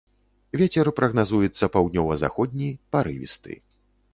Вецер прагназуецца паўднёва-заходні парывісты.